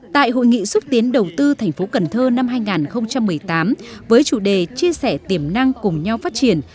tại hội nghị xúc tiến đầu tư thành phố cần thơ năm hai nghìn một mươi tám với chủ đề chia sẻ tiềm năng cùng nhau phát triển